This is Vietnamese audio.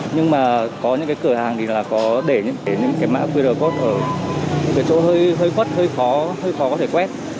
nhưng mà có những cửa hàng có để những mã qr code ở chỗ hơi khó có thể quét